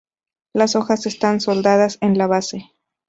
Las hojas están soldadas en la base.